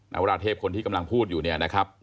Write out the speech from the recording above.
วราเทพคนที่กำลังพูดอยู่เนี่ยนะครับ